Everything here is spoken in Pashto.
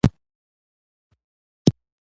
د قانون واکمني هېڅ عملي کار نه برېښي.